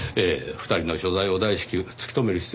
２人の所在を大至急突き止める必要がありますねぇ。